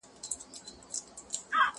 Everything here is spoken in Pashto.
زه به ليکلي پاڼي ترتيب کړي وي!؟